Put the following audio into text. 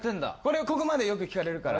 ここまでよく聞かれるから。